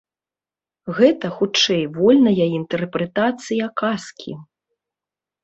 Гэта, хутчэй, вольная інтэрпрэтацыя казкі.